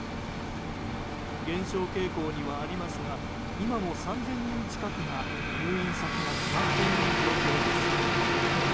減少傾向にはありますが今も３０００人近くが入院先が決まっていない状況です。